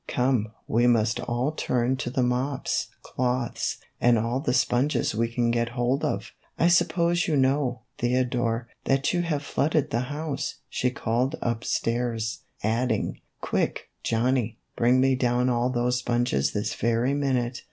" Come, we must all turn to with mops, cloths, and all the sponges we can get hold of." "I suppose you know, Theodore, that you have flooded the house," she called up stairs, adding, " Quick, Johnny, bring me down all those sponges this very minute."